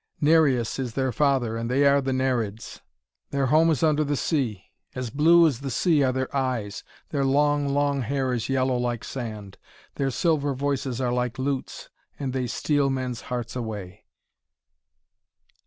Nereus is their father, and they are the Nereids. Their home is under the sea; as blue as the sea are their eyes. Their long, long hair is yellow like sand. Their silver voices are like lutes, and they steal men's hearts away.'